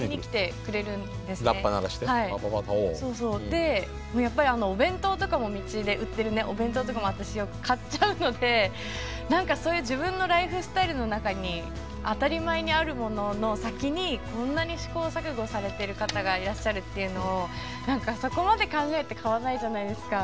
でやっぱり道で売ってるお弁当とかも私よく買っちゃうので何かそういう自分のライフスタイルの中に当たり前にあるものの先にこんなに試行錯誤されてる方がいらっしゃるっていうのを何かそこまで考えて買わないじゃないですか。